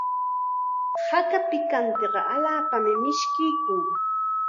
Haka pikantiqa allaapam mishkiykun.